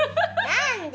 何で！